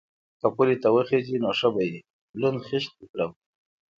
_که پولې ته وخېژې نو ښه به وي، لوند خيشت دې کړم.